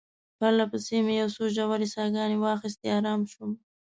پرله پسې مې یو څو ژورې ساه ګانې واخیستې، آرام شوم.